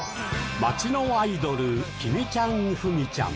町のアイドルきみちゃん、ふみちゃん。